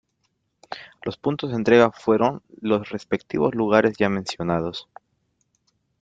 Los puntos de entrega fueron los respectivos lugares ya mencionados.